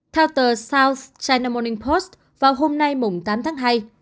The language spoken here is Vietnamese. theo tờ south china morning post vào hôm nay tám tháng hai